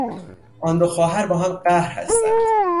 آن دو خواهر با هم قهر هستند.